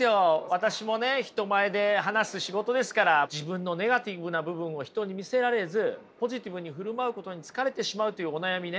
私もね人前で話す仕事ですから自分のネガティブな部分を人に見せられずポジティブに振る舞うことに疲れてしまうというお悩みね。